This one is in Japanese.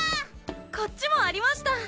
こっちもありました！